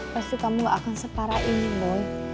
pasti kamu gak akan separah ini boy